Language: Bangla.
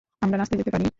আমরা নাচতে যেতে পারি?